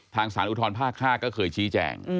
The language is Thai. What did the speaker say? สารอุทธรภาค๕ก็เคยชี้แจง